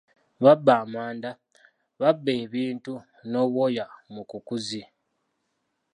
"Babba amanda, babba ebintu n’obwoya mu kukuuzi."